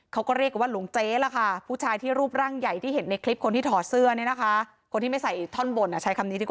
เขาก็เรียกว่าหลวงเจ๊ล่ะค่ะผู้ชายที่รูปร่างใหญ่ที่เห็นในคลิปคนที่ถอเสื้อเนี่ยนะคะ